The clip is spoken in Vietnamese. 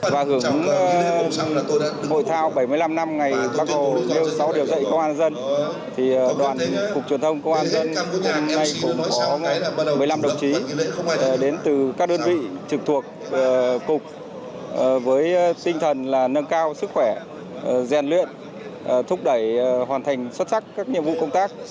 và hưởng hội thao bảy mươi năm năm ngày bắt đầu sáu điều dạy công an nhân dân thì đoàn cục truyền thông công an nhân ngày cũng có một mươi năm đồng chí đến từ các đơn vị trực thuộc cục với tinh thần là nâng cao sức khỏe gian luyện thúc đẩy hoàn thành xuất sắc các nhiệm vụ công tác